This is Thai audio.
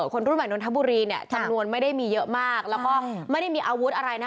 คนรุ่นใหม่นนทบุรีเนี่ยจำนวนไม่ได้มีเยอะมากแล้วก็ไม่ได้มีอาวุธอะไรนะ